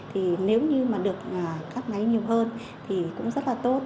thì nếu như mà được cắt máy nhiều hơn thì cũng rất là tốt